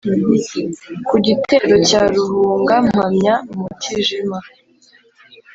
Ku gitero cya Ruhunga mpamya Mutijima.